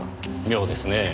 妙ですねぇ。